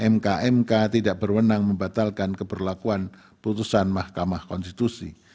mk mk tidak berwenang membatalkan keberlakuan putusan mahkamah konstitusi